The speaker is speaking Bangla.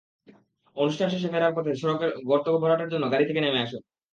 অনুষ্ঠানে শেষে ফেরার পথে সড়কের গর্ত ভরাটের জন্য গাড়ি থেকে নেমে আসেন।